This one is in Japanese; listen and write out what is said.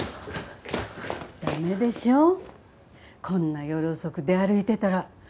駄目でしょこんな夜遅く出歩いてたら。